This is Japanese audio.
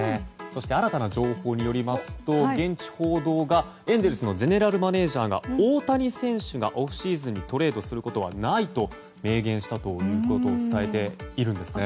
そして新たな情報によりますと現地報道がエンゼルスのゼネラルマネジャーが大谷選手がオフシーズンにトレードすることはないと明言したということを伝えているんですね。